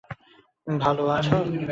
ভালো আছো?